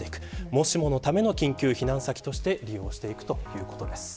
もしものための緊急避難先として利用していくということです。